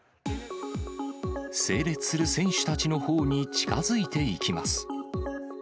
整列する選手たちのほうに近づいていきます。